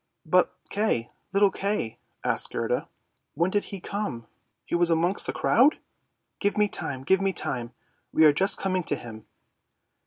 " But Kay, little Kay! " asked Gerda; " when did he come? was he amongst the crowd? "" Give me time, give me time ! we are just coming to him.